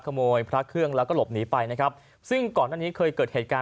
พระเครื่องแล้วก็หลบหนีไปนะครับซึ่งก่อนหน้านี้เคยเกิดเหตุการณ์